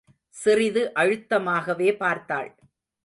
சிறிது அழுத்தமாகவே பார்த்தாள்.